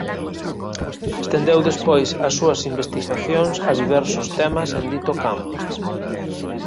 Estendeu despois as súas investigacións a diversos temas en dito campo.